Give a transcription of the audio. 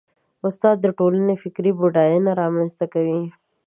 استاد د ټولنې فکري بډاینه رامنځته کوي.